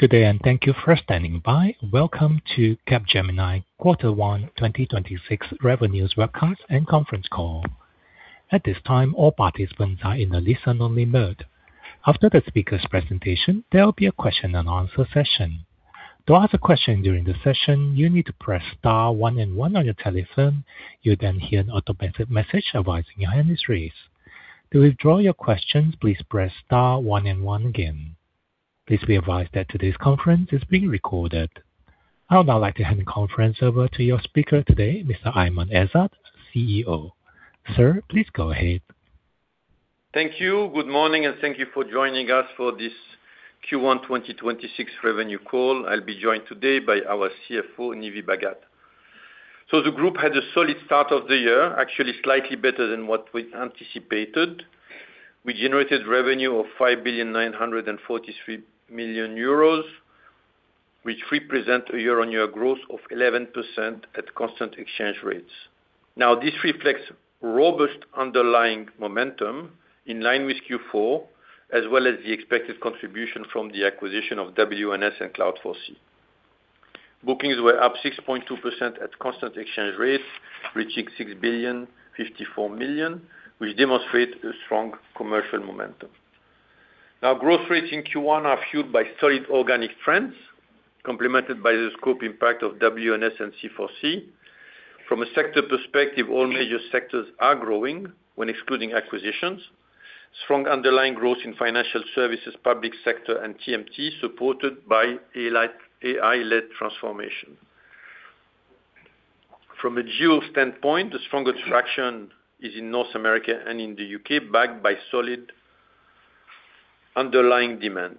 Good day, and thank you for standing by. Welcome to Capgemini Quarter One 2026 Revenue Webcast and Conference Call. At this time, all participants are in a listen-only mode. After the speaker's presentation, there will be a question and answer session. To ask a question during the session, you need to press star one and one on your telephone. You will then hear an automated message advising you are in the queue. To withdraw your questions, please press star one and one again. Please be advised that today's conference is being recorded. I would now like to hand the conference over to your speaker today, Mr. Aiman Ezzat, CEO. Sir, please go ahead. Thank you. Good morning, thank you for joining us for this Q1 2026 revenue call. I'll be joined today by our CFO, Nive Bhagat. The group had a solid start of the year, actually slightly better than what we anticipated. We generated revenue of 5.943 billion, which represent a year-on-year growth of 11% at constant exchange rates. This reflects robust underlying momentum in line with Q4, as well as the expected contribution from the acquisition of WNS and Cloud4C. Bookings were up 6.2% at constant exchange rates, reaching 6.054 billion, which demonstrate a strong commercial momentum. Growth rates in Q1 are fueled by solid organic trends, complemented by the scope impact of WNS and C4C. From a sector perspective, all major sectors are growing when excluding acquisitions. Strong underlying growth in financial services, public sector and TMT, supported by AI-led transformation. From a geo standpoint, the strongest traction is in North America and in the U.K., backed by solid underlying demand.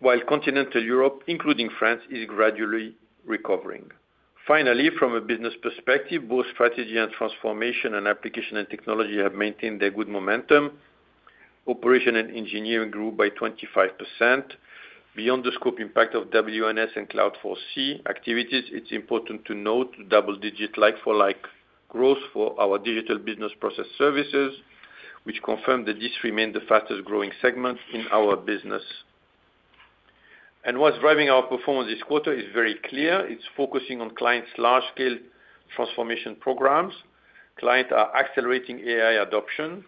While continental Europe, including France, is gradually recovering. Finally from a business perspective, both Strategy and transformation and Applications and technology have maintained a good momentum. Operations & Engineering grew by 25%. Beyond the scope impact of WNS and Cloud4C activities, it's important to note double-digit like-for-like growth for our digital business process services, which confirm that this remained the fastest-growing segment in our business. What's driving our performance this quarter is very clear. It's focusing on clients' large-scale transformation programs. Clients are accelerating AI adoption,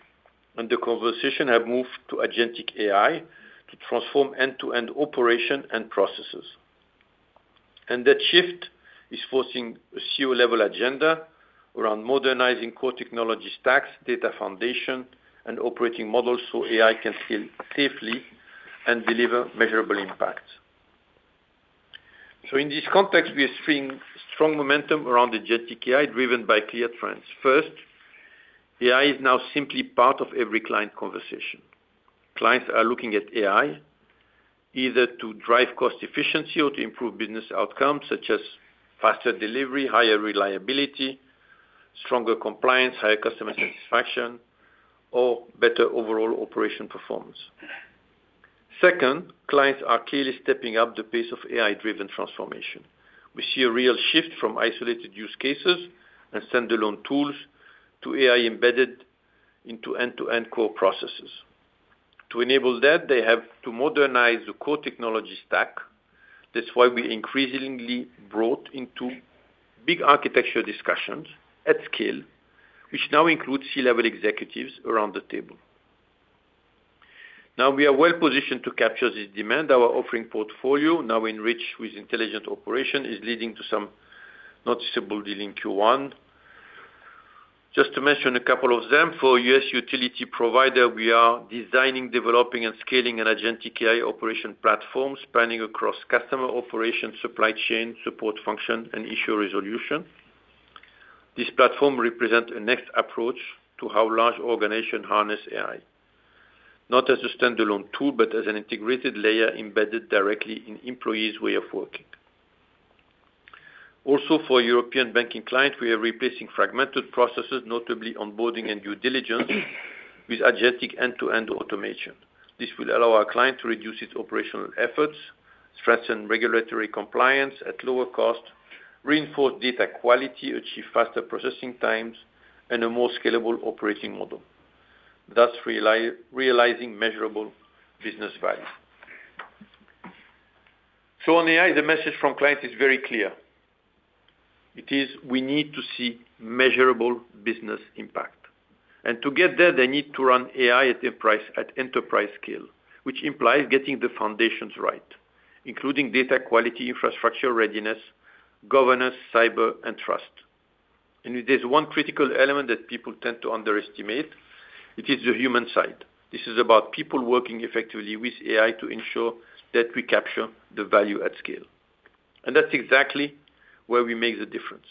the conversation have moved to agentic AI to transform end-to-end operation and processes. That shift is forcing a CEO-level agenda around modernizing core technology stacks, data foundation, and operating models, so AI can scale safely and deliver measurable impact. In this context, we are seeing strong momentum around agentic AI driven by clear trends. First, AI is now simply part of every client conversation. Clients are looking at AI either to drive cost efficiency or to improve business outcomes such as faster delivery, higher reliability, stronger compliance, higher customer satisfaction, or better overall operation performance. Second, clients are clearly stepping up the pace of AI-driven transformation. We see a real shift from isolated use cases and standalone tools to AI embedded into end-to-end core processes. To enable that, they have to modernize the core technology stack. That's why we increasingly brought into big architecture discussions at scale, which now includes C-level executives around the table. We are well-positioned to capture this demand. Our offering portfolio, now enriched with intelligent operations, is leading to some noticeable deals in Q1. Just to mention a couple of them. For U.S. utility provider, we are designing, developing, and scaling an agentic AI operation platform spanning across customer operations, supply chain, support function, and issue resolution. This platform represents a next approach to how large organizations harness AI, not as a standalone tool, but as an integrated layer embedded directly in employees' way of working. For European banking clients, we are replacing fragmented processes, notably onboarding and due diligence, with agentic end-to-end automation. This will allow our client to reduce its operational efforts, strengthen regulatory compliance at lower cost, reinforce data quality, achieve faster processing times, and a more scalable operating model, thus realizing measurable business value. On AI, the message from clients is very clear. We need to see measurable business impact. To get there, they need to run AI at enterprise scale, which implies getting the foundations right, including data quality, infrastructure readiness, governance, cyber, and trust. If there's one critical element that people tend to underestimate, it is the human side. This is about people working effectively with AI to ensure that we capture the value at scale. That's exactly where we make the difference.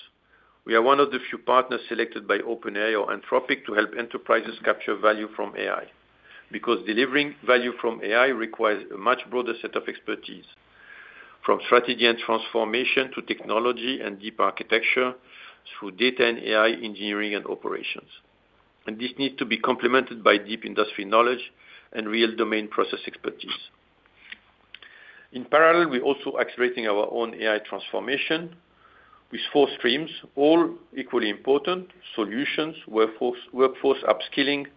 We are one of the few partners selected by OpenAI or Anthropic to help enterprises capture value from AI. Delivering value from AI requires a much broader set of expertise, from Strategy and transformation to technology and deep architecture through data and AI engineering and operations. This needs to be complemented by deep industry knowledge and real domain process expertise. In parallel, we're also accelerating our own AI transformation. With four streams, all equally important: solutions, workforce upskilling,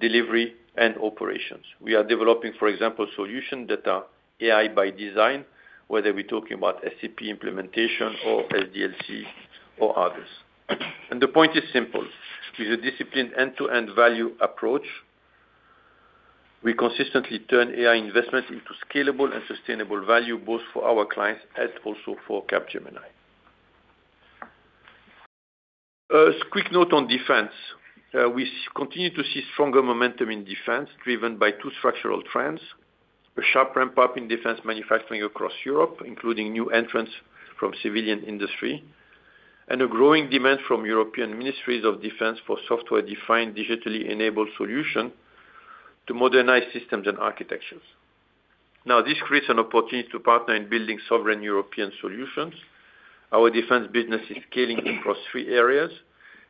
delivery, and operations. We are developing, for example, solution data, AI by design, whether we're talking about SAP implementation or SDLC or others. The point is simple. With a disciplined end-to-end value approach, we consistently turn AI investments into scalable and sustainable value, both for our clients and also for Capgemini. A quick note on defense. We continue to see stronger momentum in defense, driven by two structural trends: a sharp ramp-up in defense manufacturing across Europe, including new entrants from civilian industry, and a growing demand from European ministries of defense for software-defined, digitally enabled solution to modernize systems and architectures. Now, this creates an opportunity to partner in building sovereign European solutions. Our defense business is scaling across three areas: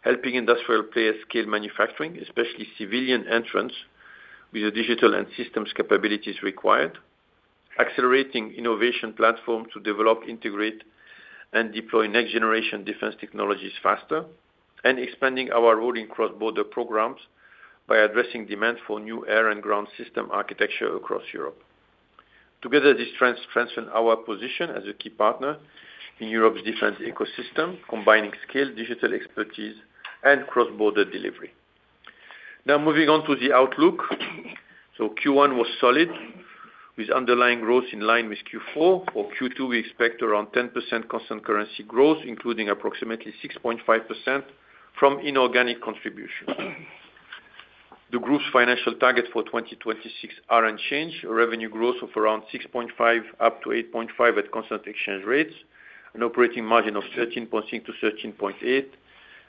helping industrial players scale manufacturing, especially civilian entrants with the digital and systems capabilities required; accelerating innovation platform to develop, integrate, and deploy next-generation defense technologies faster, and expanding our role in cross-border programs by addressing demand for new air and ground system architecture across Europe. Together, these trends strengthen our position as a key partner in Europe's defense ecosystem, combining scale, digital expertise, and cross-border delivery. Moving on to the outlook. Q1 was solid with underlying growth in line with Q4. For Q2, we expect around 10% constant currency growth, including approximately 6.5% from inorganic contribution. The group's financial targets for 2026 are unchanged. Revenue growth of around 6.5%-8.5% at constant exchange rates, an operating margin of 13.6%-13.8%,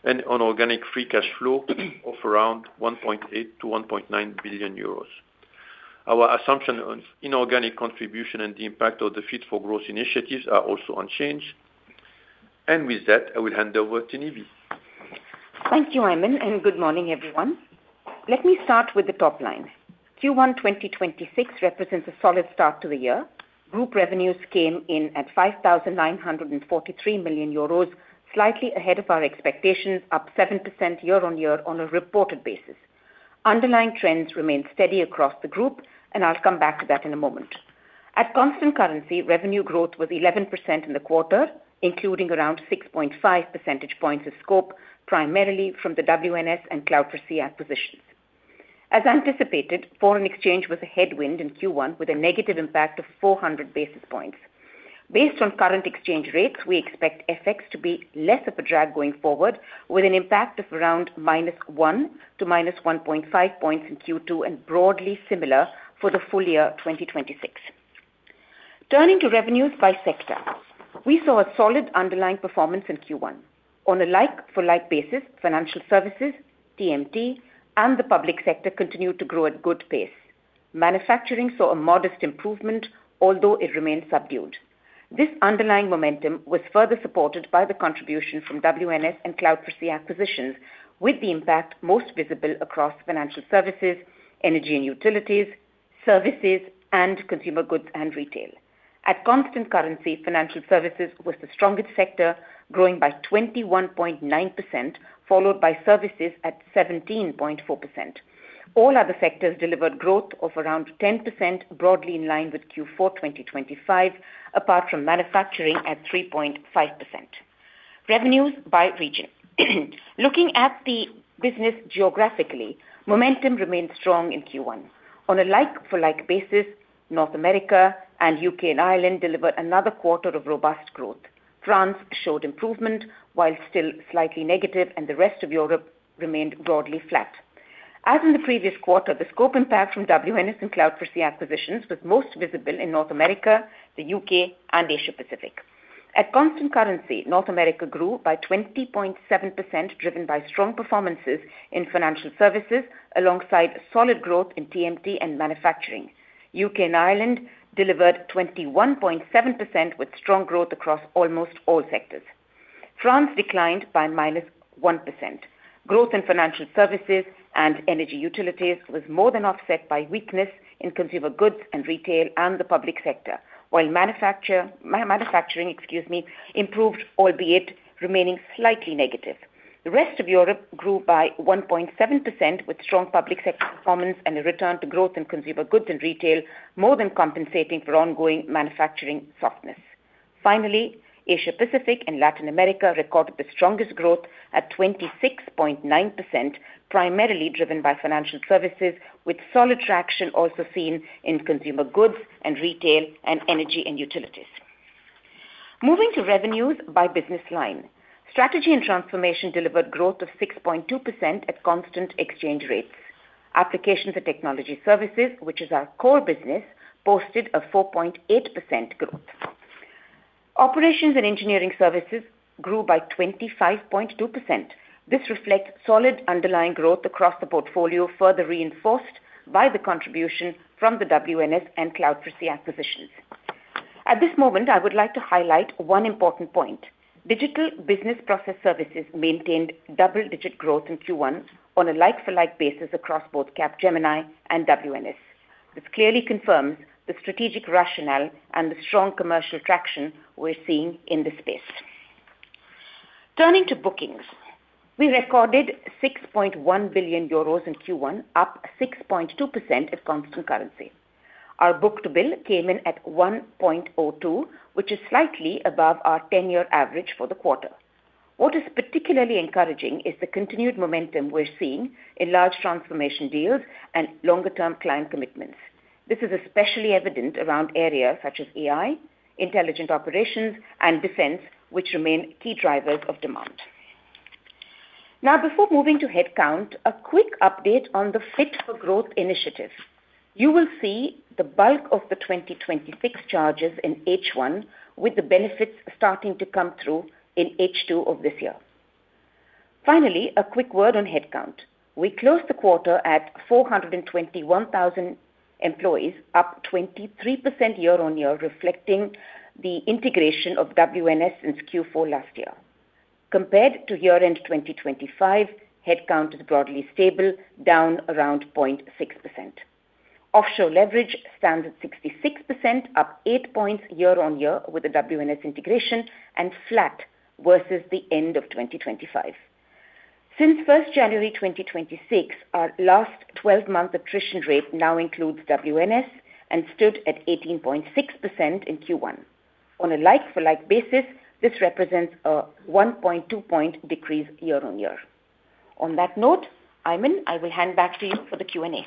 and an organic free cash flow of around 1.8 billion-1.9 billion euros. Our assumption on inorganic contribution and the impact of the Fit for Growth initiatives are also unchanged. With that, I will hand over to Nive. Thank you, Aiman. Good morning, everyone. Let me start with the top line. Q1 2026 represents a solid start to the year. Group revenues came in at 5,943 million euros, slightly ahead of our expectations, up 7% year-over-year on a reported basis. Underlying trends remain steady across the group. I'll come back to that in a moment. At constant currency, revenue growth was 11% in the quarter, including around 6.5 percentage points of scope, primarily from the WNS and Cloud4C acquisitions. As anticipated, foreign exchange was a headwind in Q1 with a negative impact of 400 basis points. Based on current exchange rates, we expect FX to be less of a drag going forward, with an impact of around -1 to -1.5 points in Q2 and broadly similar for the full year 2026. Turning to revenues by sector. We saw a solid underlying performance in Q1. On a like-for-like basis, financial services, TMT, and the public sector continued to grow at good pace. Manufacturing saw a modest improvement, although it remained subdued. This underlying momentum was further supported by the contribution from WNS and Cloud4C acquisitions, with the impact most visible across financial services, energy and utilities, services, and consumer goods and retail. At constant currency, financial services was the strongest sector, growing by 21.9%, followed by services at 17.4%. All other sectors delivered growth of around 10%, broadly in line with Q4 2025, apart from manufacturing at 3.5%. Revenues by region. Looking at the business geographically, momentum remained strong in Q1. On a like-for-like basis, North America and U.K. and Ireland delivered another quarter of robust growth. France showed improvement while still slightly negative. The rest of Europe remained broadly flat. As in the previous quarter, the scope impact from WNS and Cloud4C acquisitions was most visible in North America, the U.K., and Asia Pacific. At constant currency, North America grew by 20.7%, driven by strong performances in financial services alongside solid growth in TMT and manufacturing. U.K. and Ireland delivered 21.7% with strong growth across almost all sectors. France declined by -1%. Growth in financial services and energy utilities was more than offset by weakness in consumer goods and retail and the public sector. While manufacturing, excuse me, improved, albeit remaining slightly negative. The rest of Europe grew by 1.7% with strong public sector performance and a return to growth in consumer goods and retail, more than compensating for ongoing manufacturing softness. Finally Asia Pacific and Latin America recorded the strongest growth at 26.9%, primarily driven by financial services, with solid traction also seen in consumer goods and retail and energy and utilities. Moving to revenues by business line. Strategy and transformation delivered growth of 6.2% at constant exchange rates. Applications and technology services, which is our core business, posted a 4.8% growth. Operations and Engineering Services grew by 25.2%. This reflects solid underlying growth across the portfolio, further reinforced by the contribution from the WNS and Cloud4C acquisitions. At this moment, I would like to highlight one important point. Digital business process services maintained double-digit growth in Q1 on a like-for-like basis across both Capgemini and WNS. This clearly confirms the strategic rationale and the strong commercial traction we're seeing in the space. Turning to bookings. We recorded 6.1 billion euros in Q1, up 6.2% at constant currency. Our book-to-bill came in at 1.02, which is slightly above our 10-year average for the quarter. What is particularly encouraging is the continued momentum we're seeing in large transformation deals and longer-term client commitments. This is especially evident around areas such as AI, intelligent operations, and defense, which remain key drivers of demand. Before moving to headcount, a quick update on the Fit for Growth initiative. You will see the bulk of the 2026 charges in H1 with the benefits starting to come through in H2 of this year. A quick word on headcount. We closed the quarter at 421,000 employees, up 23% year-on-year, reflecting the integration of WNS since Q4 last year. Compared to year-end 2025, headcount is broadly stable, down around 0.6%. Offshore leverage stands at 66%, up eight points year-on-year with the WNS integration and flat versus the end of 2025. Since January 1, 2026, our last 12-month attrition rate now includes WNS and stood at 18.6% in Q1. On a like-for-like basis, this represents a 1.2 point decrease year-on-year. On that note, Aiman, I will hand back to you for the Q&A.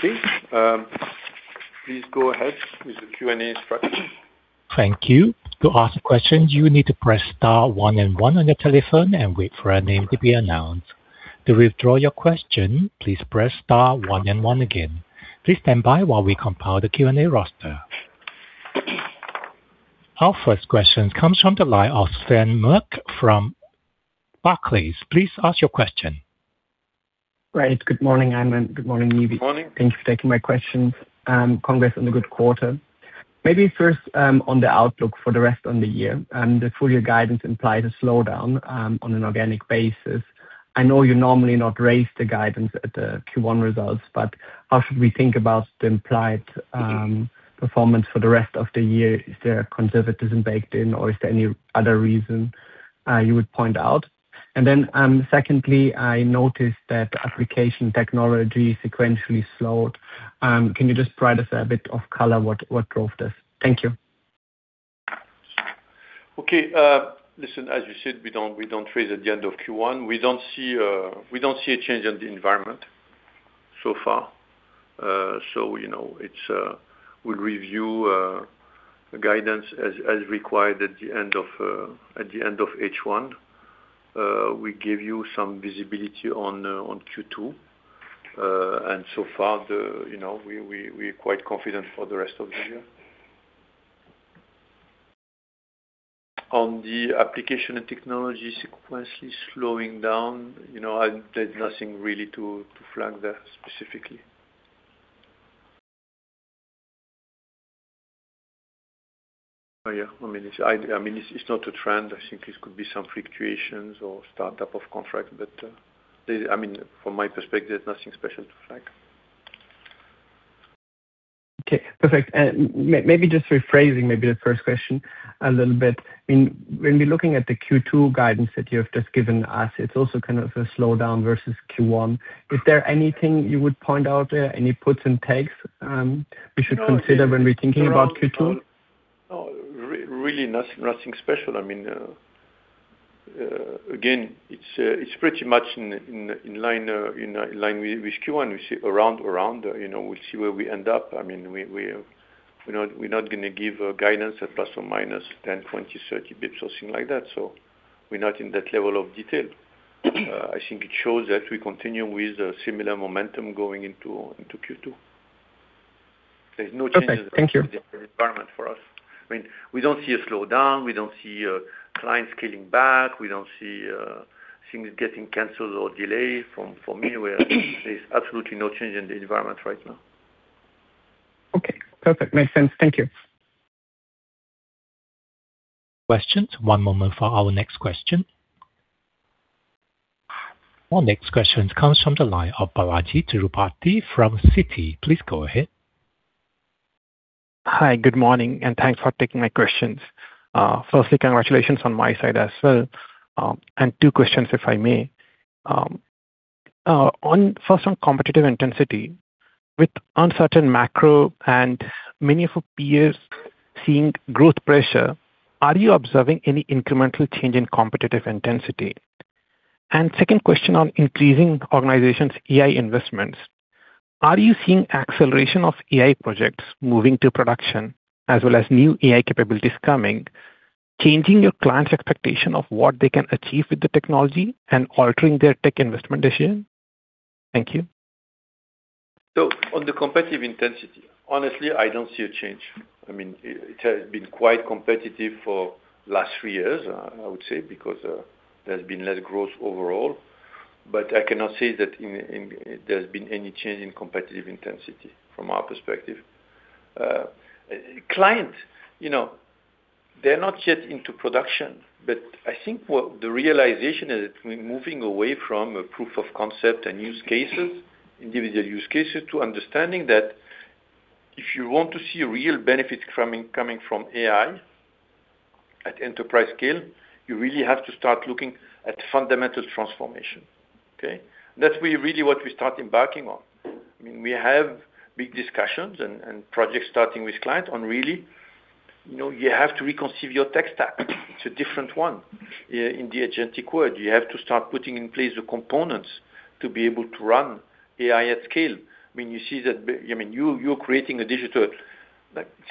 Please go ahead with the Q&A instruction. Thank you. To ask a question, you need to press star one and one on your telephone and wait for your name to be announced. To withdraw your question, please press star one and one again. Please stand by while we compile the Q&A roster. Our first question comes from the line of Sven Merkt from Barclays. Please ask your question. Good morning, Aiman Ezzat. Good morning, Nive Bhagat. Good morning. Thank you for taking my questions. Congrats on the good quarter. Maybe first, on the outlook for the rest of the year, the full year guidance implied a slowdown on an organic basis. I know you normally not raise the guidance at the Q1 results, how should we think about the implied performance for the rest of the year? Is there a conservatism baked in, or is there any other reason you would point out? Secondly, I noticed that Applications and technology sequentially slowed. Can you just provide us a bit of color what drove this? Thank you. Okay. listen, as you said, we don't raise at the end of Q1. We don't see a change in the environment so far. You know, it's, we'll review the guidance as required at the end of H1. We give you some visibility on Q2. So far, the, you know, we're quite confident for the rest of the year. On the Applications and Technology sequence is slowing down. You know, I did nothing really to flag that specifically. Yeah. I mean, it's not a trend. I think it could be some fluctuations or startup of contract. I mean, from my perspective, there's nothing special to flag. Okay, perfect. Maybe just rephrasing maybe the first question a little bit. I mean, when we're looking at the Q2 guidance that you have just given us, it's also kind of a slowdown versus Q1. Is there anything you would point out there, any puts and takes, we should consider when we're thinking about Q2? No. Really nothing special. I mean, again, it's pretty much in line with Q1. We see around, you know, we'll see where we end up. I mean, we're not gonna give a guidance at ±10, 20, 30 basis points or something like that. We're not in that level of detail. I think it shows that we continue with a similar momentum going into Q2. There's no changes- Perfect. Thank you. ...in the environment for us. I mean, we don't see a slowdown. We don't see clients scaling back. We don't see things getting canceled or delayed. For me, there's absolutely no change in the environment right now. Okay. Perfect. Makes sense. Thank you. Questions. One moment for our next question. Our next question comes from the line of Balajee Tirupati from Citi. Please go ahead. Hi. Good morning, and thanks for taking my questions. Firstly, congratulations on my side as well. Two questions, if I may. First on competitive intensity. With uncertain macro and many of our peers seeing growth pressure, are you observing any incremental change in competitive intensity? Second question on increasing organization's AI investments. Are you seeing acceleration of AI projects moving to production as well as new AI capabilities coming, changing your clients' expectation of what they can achieve with the technology and altering their tech investment decision? Thank you. On the competitive intensity, honestly, I don't see a change. It has been quite competitive for last three years, I would say, because there's been less growth overall. I cannot say that there's been any change in competitive intensity from our perspective. Client, you know, they're not yet into production, but I think what the realization is, it's been moving away from a proof of concept and use cases, individual use cases, to understanding that if you want to see real benefits coming from AI at enterprise scale, you really have to start looking at fundamental transformation. Okay. That's really what we start embarking on. We have big discussions and projects starting with clients on really, you know, you have to reconceive your tech stack. It's a different one. In the agentic world, you have to start putting in place the components to be able to run AI at scale. I mean, like,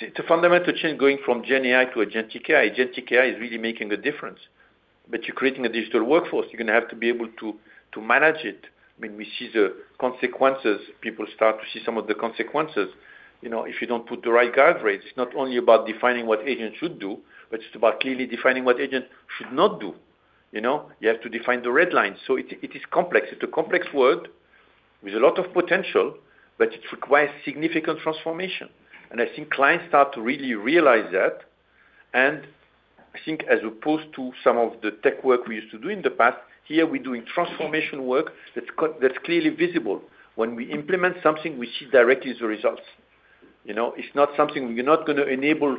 it's a fundamental change going from GenAI to agentic AI. Agentic AI is really making the difference. You're creating a digital workforce. You're gonna have to be able to manage it. I mean, we see the consequences. People start to see some of the consequences, you know, if you don't put the right guardrails. It's not only about defining what agents should do, but it's about clearly defining what agents should not do. You know. You have to define the red lines. It is complex. It's a complex world with a lot of potential, but it requires significant transformation. I think clients start to really realize that. I think as opposed to some of the tech work we used to do in the past, here we're doing transformation work that's clearly visible. When we implement something, we see directly the results. You know? It's not something. We're not gonna enable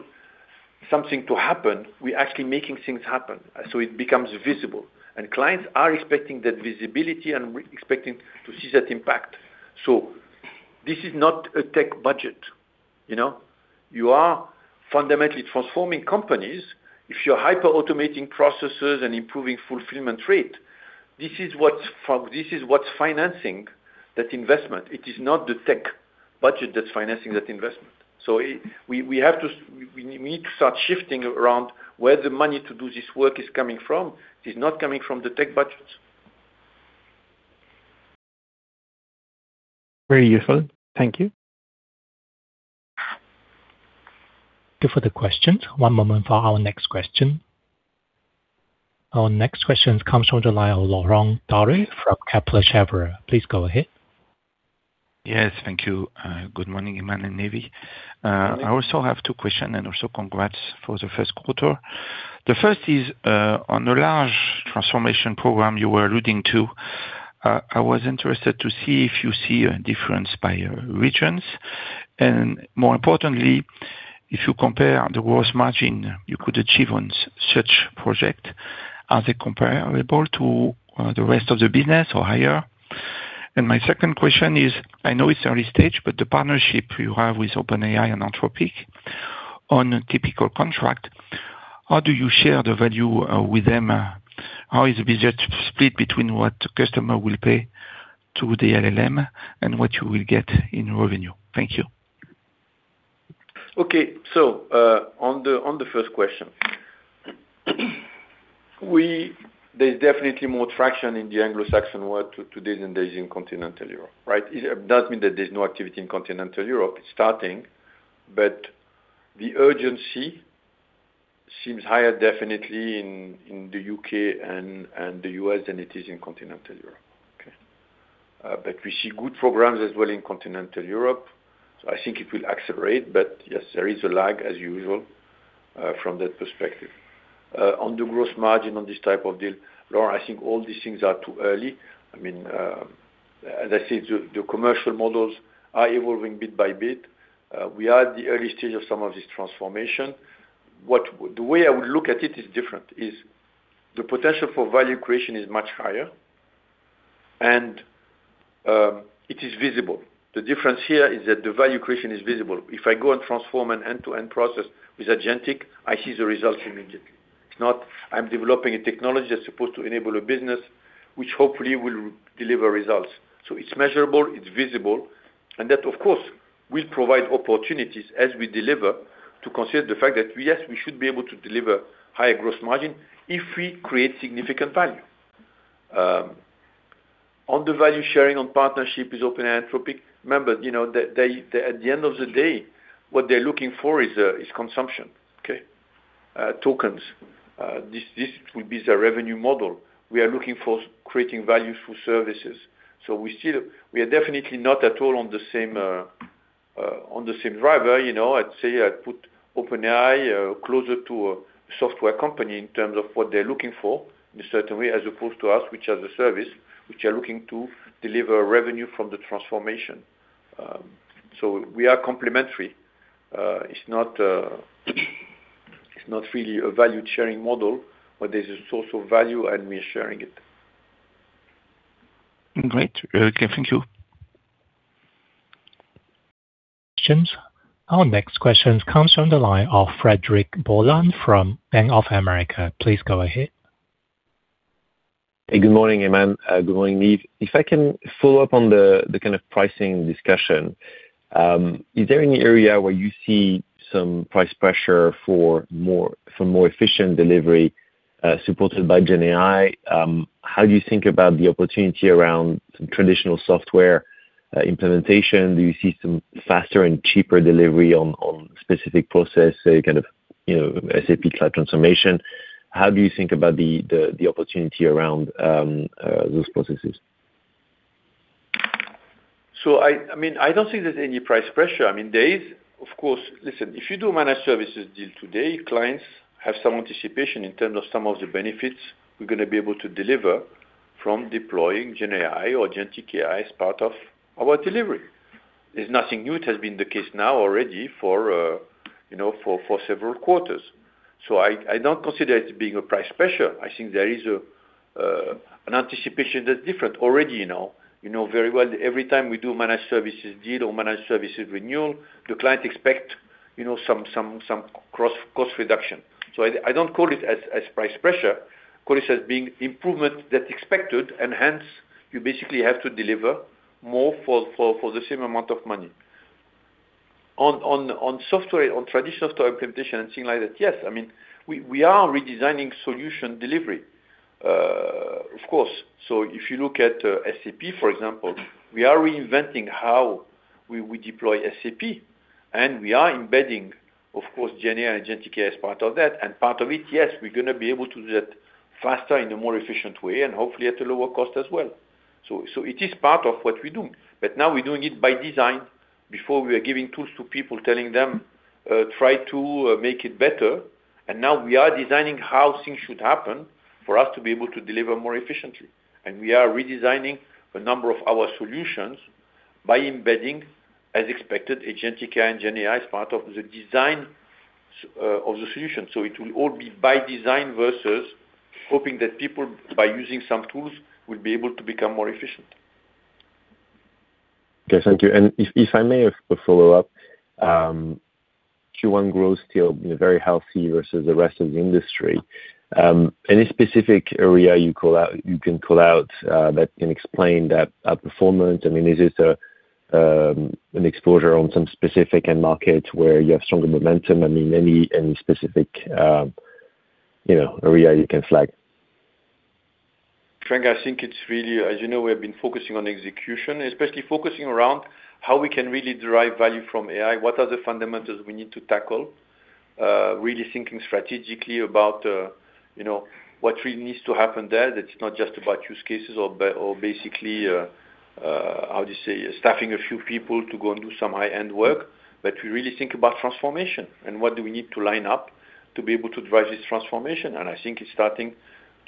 something to happen. We're actually making things happen, so it becomes visible. Clients are expecting that visibility and expecting to see that impact. This is not a tech budget, you know? You are fundamentally transforming companies. If you're hyper-automating processes and improving fulfillment rate, this is what's financing that investment. It is not the tech budget that's financing that investment. We need to start shifting around where the money to do this work is coming from. It's not coming from the tech budgets. Very useful. Thank you. Good for the questions. One moment for our next question. Our next question comes from the line of Laurent Daure from Kepler Cheuvreux. Please go ahead. Thank you. Good morning, Aiman and Nive. I also have two questions, and also congrats for the first quarter. The 1st is on the large transformation program you were alluding to, I was interested to see if you see a difference by regions, and more importantly, if you compare the gross margin you could achieve on such project, are they comparable to the rest of the business or higher? My second question is, I know it's early stage, but the partnership you have with OpenAI and Anthropic on a typical contract, how do you share the value with them? How is the budget split between what customer will pay to the LLM and what you will get in revenue? Thank you. Okay. On the first question, there's definitely more traction in the Anglo-Saxon world to this than there is in continental Europe, right. It doesn't mean that there's no activity in continental Europe. It's starting, but the urgency seems higher definitely in the U.K. and the U.S. than it is in continental Europe. Okay. We see good programs as well in continental Europe. I think it will accelerate. Yes, there is a lag as usual from that perspective. On the gross margin on this type of deal, Laurent, I think all these things are too early. I mean, as I said, the commercial models are evolving bit by bit. We are at the early stage of some of this transformation. The way I would look at it is different, is the potential for value creation is much higher and it is visible. The difference here is that the value creation is visible. If I go and transform an end-to-end process with agentic, I see the results immediately. It's not I'm developing a technology that's supposed to enable a business which hopefully will deliver results. It's measurable, it's visible, and that of course, will provide opportunities as we deliver to consider the fact that, yes, we should be able to deliver higher gross margin if we create significant value. On the value sharing on partnership with OpenAI and Anthropic, remember, you know, they at the end of the day, what they're looking for is consumption, okay? Tokens. This will be the revenue model. We are looking for creating value through services. We are definitely not at all on the same on the same driver. You know, I'd say I put OpenAI closer to a software company in terms of what they're looking for in a certain way, as opposed to us, which are the service, which are looking to deliver revenue from the transformation. We are complementary. It's not, it's not really a value-sharing model, but there's a source of value and we're sharing it. Great. Okay. Thank you. Questions. Our next question comes from the line of Frederic Boulan from Bank of America. Please go ahead. Hey, good morning, Aiman. Good morning, Nive. If I can follow up on the kind of pricing discussion, is there any area where you see some price pressure for more, for more efficient delivery, supported by GenAI? How do you think about the opportunity around some traditional software, implementation? Do you see some faster and cheaper delivery on specific process, say, kind of, you know, SAP cloud transformation? How do you think about the, the opportunity around those processes? I mean, I don't think there's any price pressure. I mean, there is, of course. Listen, if you do managed services deal today, clients have some anticipation in terms of some of the benefits we're gonna be able to deliver from deploying GenAI or agentic AI as part of our delivery. There's nothing new. It has been the case now already for, you know, for several quarters. I don't consider it being a price pressure. I think there is a an anticipation that's different already, you know. You know very well that every time we do managed services deal or managed services renewal, the client expect, you know, some cost reduction. I don't call it as price pressure. Call this as being improvement that's expected, hence you basically have to deliver more for the same amount of money. On software, on traditional software implementation and things like that, yes. I mean, we are redesigning solution delivery. Of course. If you look at SAP, for example, we are reinventing how we deploy SAP, we are embedding, of course, GenAI and agentic AI as part of that. Part of it, yes, we're gonna be able to do that faster in a more efficient way and hopefully at a lower cost as well. It is part of what we do. Now we're doing it by design. Before, we were giving tools to people, telling them, try to make it better. Now we are designing how things should happen for us to be able to deliver more efficiently. We are redesigning a number of our solutions by embedding, as expected, agentic AI and GenAI as part of the design of the solution. It will all be by design versus hoping that people, by using some tools, will be able to become more efficient. Okay. Thank you. If I may follow up, Q1 growth still, you know, very healthy versus the rest of the industry. Any specific area you can call out that can explain that performance? I mean, is this an exposure on some specific end market where you have stronger momentum? I mean, any specific, you know, area you can flag? Frederic, I think it's really, as you know, we have been focusing on execution, especially focusing around how we can really derive value from AI. What are the fundamentals we need to tackle? really thinking strategically about, you know, what really needs to happen there, that it's not just about use cases or how do you say, staffing a few people to go and do some high-end work. But we really think about transformation and what do we need to line up to be able to drive this transformation. And I think it's starting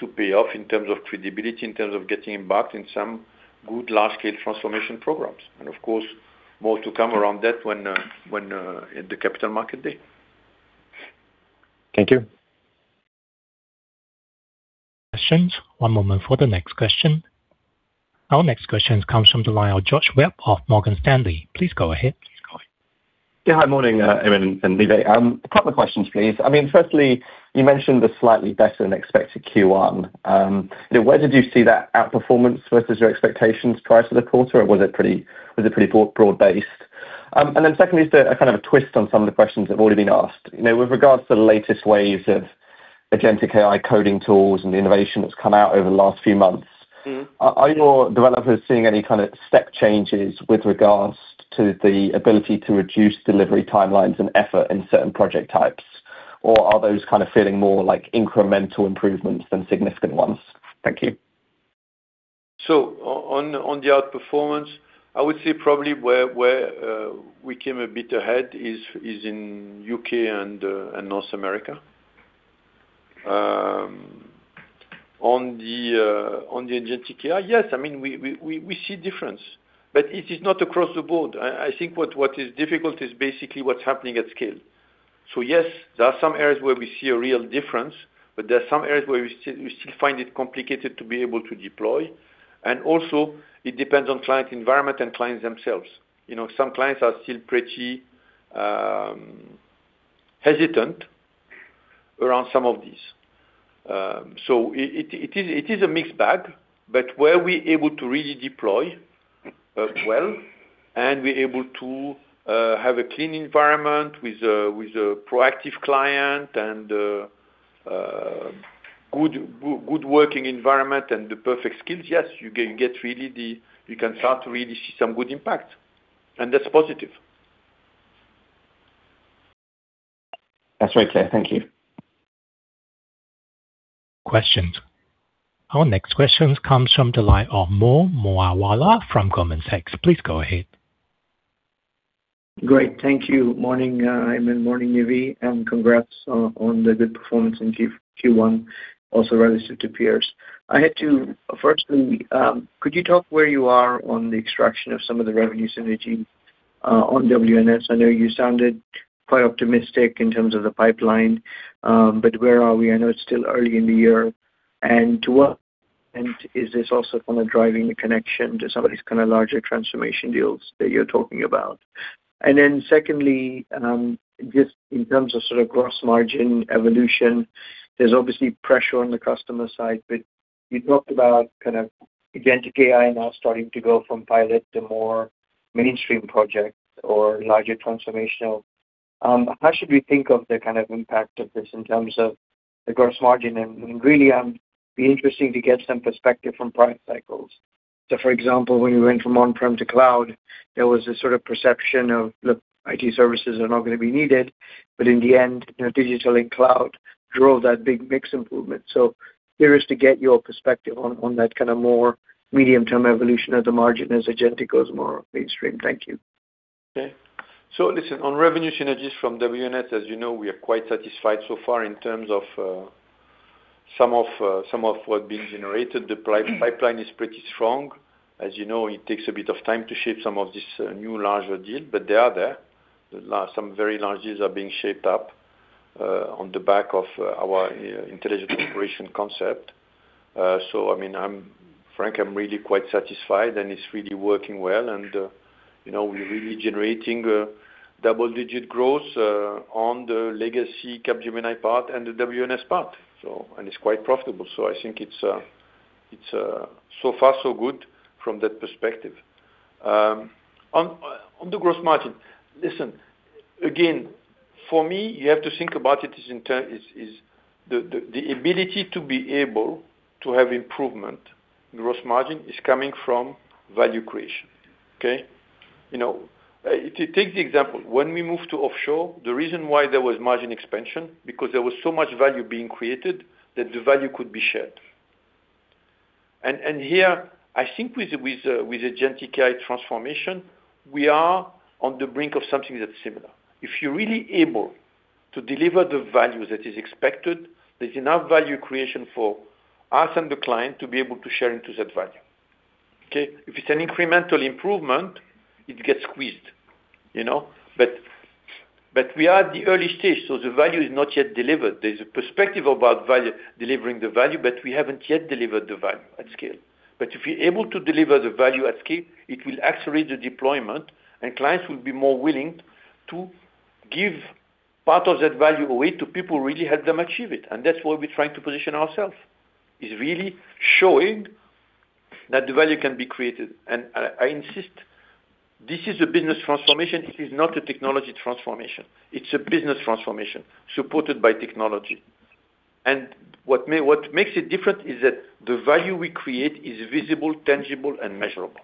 to pay off in terms of credibility, in terms of getting embarked in some good large-scale transformation programs. Of course, more to come around that when in the Capital Markets Day. Thank you. Questions. One moment for the next question. Our next question comes from the line of Josh Webb of Morgan Stanley. Please go ahead. Yeah. Hi. Morning, Aiman and Nive. A couple of questions, please. I mean, firstly, you mentioned the slightly better than expected Q1. You know, where did you see that outperformance versus your expectations prior to the quarter, or was it pretty broad-based? Secondly, is there a kind of a twist on some of the questions that have already been asked? You know, with regards to the latest waves of agentic AI coding tools and the innovation that's come out over the last few months. Mm-hmm. Are your developers seeing any kind of step changes with regards to the ability to reduce delivery timelines and effort in certain project types, or are those kind of feeling more like incremental improvements than significant ones? Thank you. On the outperformance, I would say probably where we came a bit ahead is in U.K. and North America. On the agentic AI, yes, I mean, we see difference, but it is not across the board. I think what is difficult is basically what's happening at scale. Yes, there are some areas where we see a real difference, but there are some areas where we still find it complicated to be able to deploy. Also it depends on client environment and clients themselves. You know, some clients are still pretty hesitant around some of these. It is a mixed bag, but where we're able to really deploy, well and we're able to, have a clean environment with a, with a proactive client and, good working environment and the perfect skills, yes, you can start to really see some good impact, and that's positive. That's very clear. Thank you. Questions. Our next question comes from the line of Mohammed Moawalla from Goldman Sachs. Please go ahead. Great. Thank you. Morning, Aiman, morning, Nive, and congrats on the good performance in Q1, also relative to peers. I had two. Firstly, could you talk where you are on the extraction of some of the revenue synergy on WNS? I know you sounded quite optimistic in terms of the pipeline, but where are we? I know it's still early in the year. To what extent is this also kind of driving the connection to some of these kind of larger transformation deals that you're talking about? Secondly, just in terms of sort of gross margin evolution, there's obviously pressure on the customer side, but you talked about kind of agentic AI now starting to go from pilot to more mainstream projects or larger transformational. How should we think of the kind of impact of this in terms of the gross margin? Really, be interesting to get some perspective from prior cycles. For example, when you went from on-prem to cloud, there was this sort of perception of, look, IT services are not gonna be needed. In the end, you know, digital and cloud drove that big mix improvement. Curious to get your perspective on that kind of more medium-term evolution at the margin as agentic goes more mainstream. Thank you. Okay. Listen, on revenue synergies from WNS, as you know, we are quite satisfied so far in terms of some of what being generated. The pipeline is pretty strong. As you know, it takes a bit of time to shape some of this new larger deal, but they are there. Some very large deals are being shaped up on the back of our intelligent operation concept. I mean, I'm Frederic, I'm really quite satisfied, it's really working well. You know, we're really generating double-digit growth on the legacy Capgemini part and the WNS part. It's quite profitable. I think it's so far so good from that perspective. On the gross margin. Listen, again, for me, you have to think about it as. Is the ability to be able to have improvement in gross margin is coming from value creation. Okay? You know, if you take the example, when we moved to offshore, the reason why there was margin expansion, because there was so much value being created that the value could be shared. Here, I think with the agentic AI transformation, we are on the brink of something that's similar. If you're really able to deliver the value that is expected, there's enough value creation for us and the client to be able to share into that value. Okay? If it's an incremental improvement, it gets squeezed, you know. We are at the early stage, so the value is not yet delivered. There's a perspective about value, delivering the value, but we haven't yet delivered the value at scale. If we're able to deliver the value at scale, it will accelerate the deployment, and clients will be more willing to give part of that value away to people who really help them achieve it. That's where we're trying to position ourselves, is really showing that the value can be created. I insist, this is a business transformation. This is not a technology transformation. It's a business transformation supported by technology. What makes it different is that the value we create is visible, tangible, and measurable.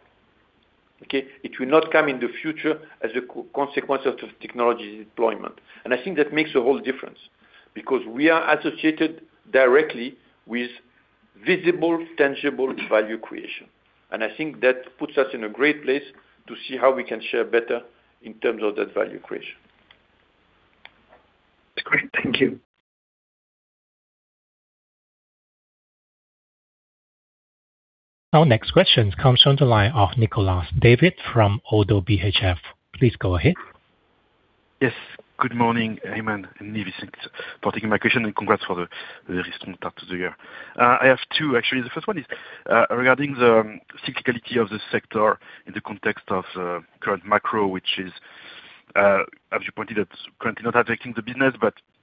Okay. It will not come in the future as a co-consequence of technology deployment. I think that makes a whole difference because we are associated directly with visible, tangible value creation. I think that puts us in a great place to see how we can share better in terms of that value creation. That's great. Thank you. Our next question comes on the line of Nicolas David from ODDO BHF. Please go ahead. Yes. Good morning, Aiman Ezzat and Nive Bhagat, for taking my question, and congrats for the strong start to the year. I have two, actually. The first one is regarding the cyclicality of the sector in the context of current macro, which is, as you pointed, it's currently not affecting the business.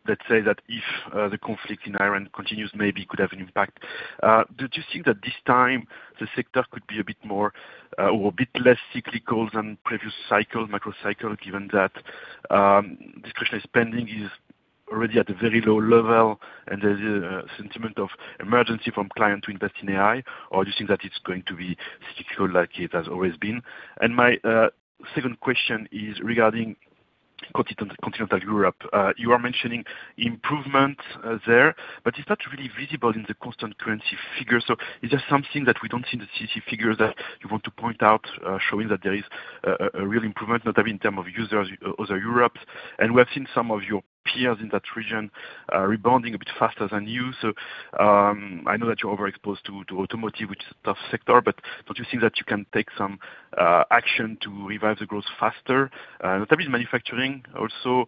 Let's say that if the conflict in Iran continues, maybe it could have an impact. Do you think that this time the sector could be a bit more or a bit less cyclical than previous cycle, macrocycle, given that discretionary spending is already at a very low level and there's a sentiment of emergency from client to invest in AI? Do you think that it's going to be cyclical like it has always been? My second question is regarding continental Europe. You are mentioning improvement there, but it's not really visible in the constant currency figure. Is there something that we don't see in the CC figure that you want to point out, showing that there is a real improvement, not only in term of users, other Europe? We have seen some of your peers in that region rebounding a bit faster than you. I know that you're overexposed to automotive, which is a tough sector, but don't you think that you can take some action to revive the growth faster? Not only manufacturing, also,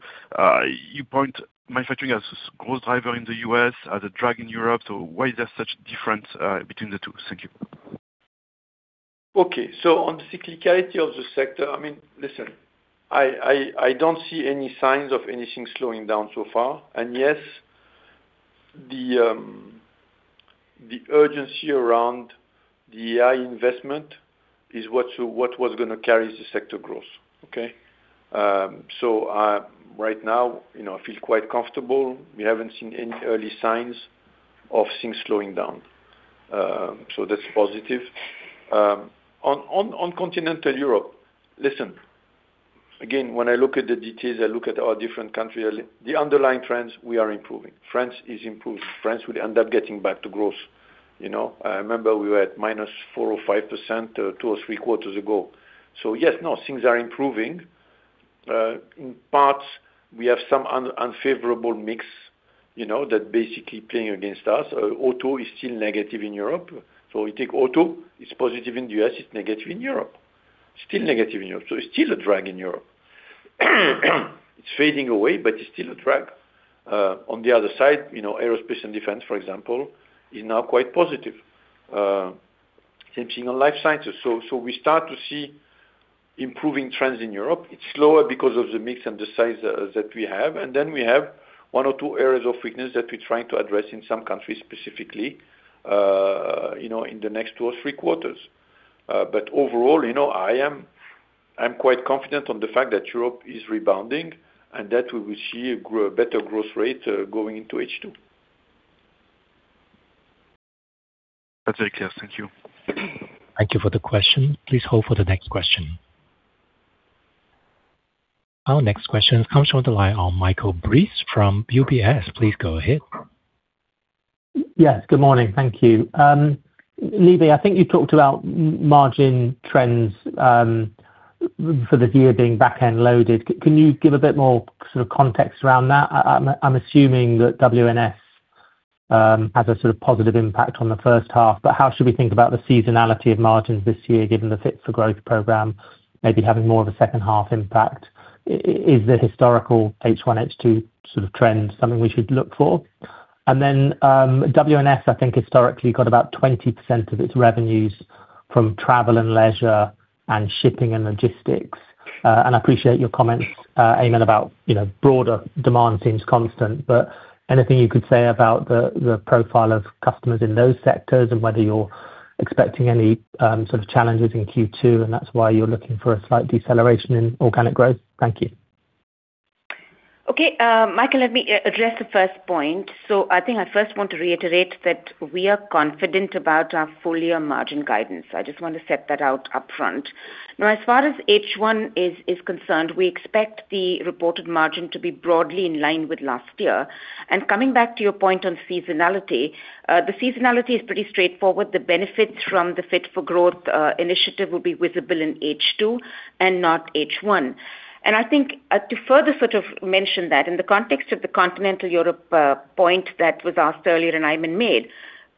you point manufacturing as growth driver in the U.S., as a drag in Europe, why is there such difference between the two? Thank you. Okay. On the cyclicality of the sector, I mean, listen, I don't see any signs of anything slowing down so far. Yes, the urgency around the AI investment is what was gonna carry the sector growth. Okay? Right now, you know, I feel quite comfortable. We haven't seen any early signs of things slowing down. That's positive. On continental Europe, listen, again, when I look at the details, I look at our different country, the underlying trends, we are improving. France is improving. France will end up getting back to growth. You know? I remember we were at -4% or -5%, two or three quarters ago. Yes, no, things are improving. In parts, we have some unfavorable mix, you know, that basically playing against us. Auto is still negative in Europe. We take auto, it's positive in the U.S., it's negative in Europe. Still negative in Europe. it's still a drag in Europe. It's fading away, but it's still a drag. on the other side, you know, aerospace and defense, for example, is now quite positive. same thing on life sciences. we start to see improving trends in Europe. It's slower because of the mix and the size that we have. we have one or two areas of weakness that we're trying to address in some countries specifically, you know, in the next two or three quarters. overall, you know, I am, I'm quite confident on the fact that Europe is rebounding and that we will see a better growth rate going into H2. That's very clear. Thank you. Thank you for the question. Please hold for the next question. Our next question comes on the line on Michael Briest from UBS. Please go ahead. Yes. Good morning. Thank you. Nive Bhagat, I think you talked about margin trends for the year being back-end loaded. Can you give a bit more sort of context around that? I'm assuming that WNS has a sort of positive impact on the first half, but how should we think about the seasonality of margins this year, given the Fit for Growth program maybe having more of a second half impact? Is the historical H1, H2 sort of trend something we should look for? Then, WNS, I think historically got about 20% of its revenues from travel and leisure and shipping and logistics. I appreciate your comments, Aiman, about, you know, broader demand seems constant, but anything you could say about the profile of customers in those sectors and whether you're expecting any sort of challenges in Q2, and that's why you're looking for a slight deceleration in organic growth. Thank you. Okay. Michael, let me address the first point. I think I first want to reiterate that we are confident about our full-year margin guidance. I just want to set that out upfront. Now, as far as H1 is concerned, we expect the reported margin to be broadly in line with last year. Coming back to your point on seasonality, the seasonality is pretty straightforward. The benefits from the Fit for Growth initiative will be visible in H2 and not H1. I think, to further sort of mention that in the context of the Continental Europe point that was asked earlier and Aiman made,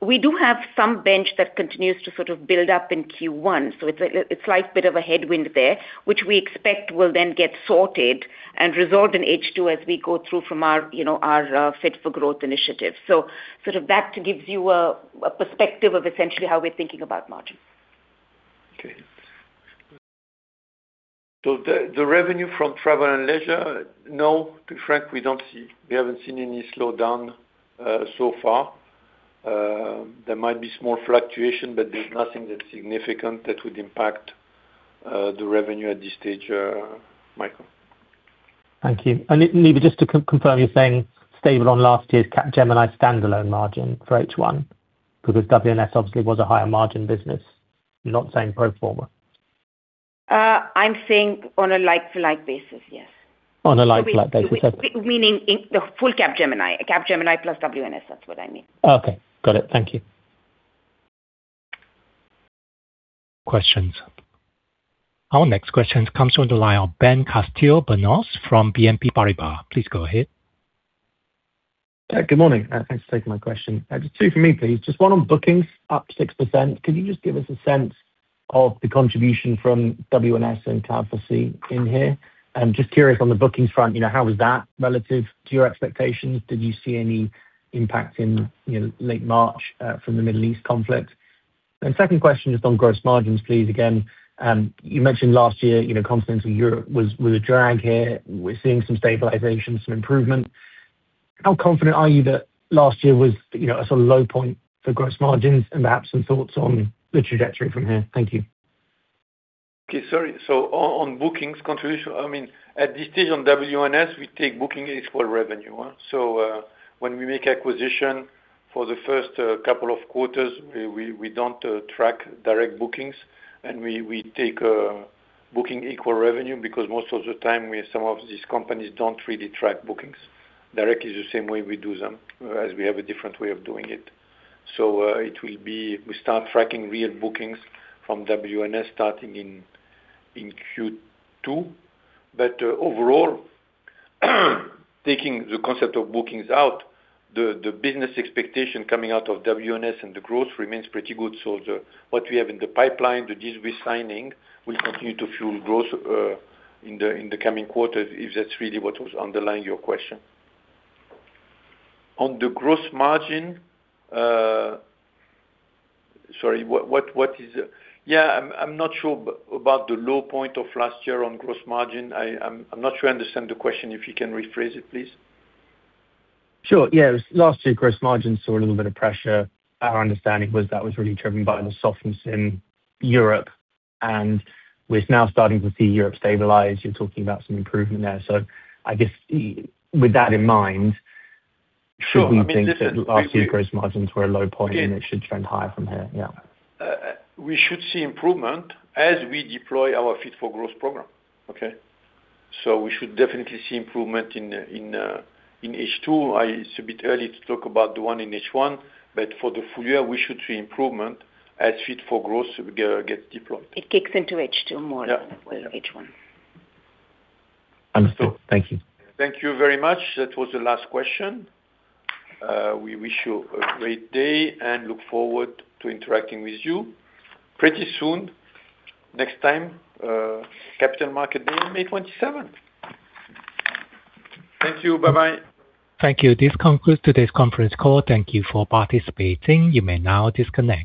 we do have some bench that continues to sort of build up in Q1. It's a slight bit of a headwind there, which we expect will then get sorted and resolved in H2 as we go through from our, you know, our Fit for Growth initiative. Sort of that gives you a perspective of essentially how we're thinking about margins. Okay. The revenue from travel and leisure, no, to be frank, we don't see. We haven't seen any slowdown so far. There might be small fluctuation, but there's nothing that's significant that would impact the revenue at this stage, Michael. Thank you. Nive, just to confirm, you're saying stable on last year's Capgemini standalone margin for H1 because WNS obviously was a higher margin business. You're not saying pro forma. I'm saying on a like-to-like basis, yes. On a like-to-like basis. Okay. Meaning in the full Capgemini. Capgemini plus WNS, that's what I mean. Okay. Got it. Thank you. Questions. Our next question comes from the line of Ben Castillo-Bernaus from BNP Paribas. Please go ahead. Good morning. Thanks for taking my question. Just two for me, please. Just one on bookings up 6%. Could you just give us a sense of the contribution from WNS and Cloud4C in here? I'm just curious on the bookings front, you know, how was that relative to your expectations? Did you see any impact in, you know, late March, from the Middle East conflict? Second question, just on gross margins, please again. You mentioned last year, you know, Continental Europe was a drag here. We're seeing some stabilization, some improvement. How confident are you that last year was, you know, a sort of low point for gross margins and perhaps some thoughts on the trajectory from here? Thank you. Okay. Sorry. On bookings contribution, I mean, at this stage on WNS, we take booking is for revenue. When we make acquisition for the first couple of quarters, we don't track direct bookings and we take booking equal revenue because most of the time we have some of these companies don't really track bookings directly the same way we do them, as we have a different way of doing it. It will be, we start tracking real bookings from WNS starting in Q2. Overall, taking the concept of bookings out, the business expectation coming out of WNS and the growth remains pretty good. The what we have in the pipeline, the deals we're signing will continue to fuel growth in the coming quarters, if that's really what was underlying your question. On the gross margin, sorry, what is it? Yeah, I'm not sure about the low point of last year on gross margin. I'm not sure I understand the question. If you can rephrase it, please. Sure. Yeah. Last year, gross margins saw a little bit of pressure. Our understanding was that was really driven by the softness in Europe, and we're now starting to see Europe stabilize. You're talking about some improvement there. I guess with that in mind. Sure. I mean. Should we think that last year gross margins were a low point and it should trend higher from here? Yeah. We should see improvement as we deploy our Fit for Growth program. Okay? We should definitely see improvement in H2. It's a bit early to talk about the one in H1, but for the full year, we should see improvement as Fit for Growth get deployed. It kicks into H2. Yeah. Than it will H1. Understood. Thank you. Thank you very much. That was the last question. We wish you a great day and look forward to interacting with you pretty soon. Next time, Capital Markets Day on May 27th. Thank you. Bye-bye. Thank you. This concludes today's conference call. Thank you for participating. You may now disconnect.